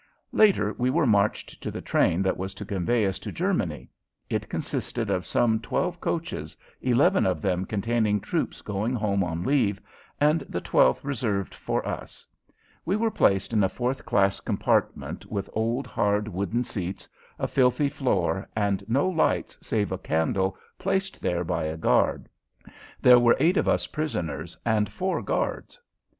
Later we were marched to the train that was to convey us to Germany. It consisted of some twelve coaches, eleven of them containing troops going home on leave, and the twelfth reserved for us. We were placed in a fourth class compartment, with old, hard, wooden seats, a filthy floor, and no lights save a candle placed there by a guard. There were eight of us prisoners and four guards.